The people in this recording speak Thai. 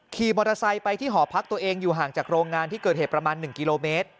ขี่มอเตอร์ไซค์ไปที่หอพักตัวเองอยู่ห่างจากโรงงานที่เกิดเหตุประมาณ๑กิโลเมตร